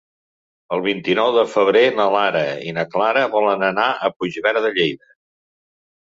El vint-i-nou de febrer na Lara i na Clara volen anar a Puigverd de Lleida.